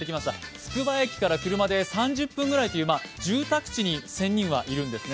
つくば駅から車で３０分ぐらいという住宅地に仙人はいるんですね。